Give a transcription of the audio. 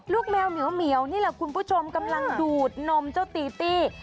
แมวเหมียวนี่แหละคุณผู้ชมกำลังดูดนมเจ้าตีตี้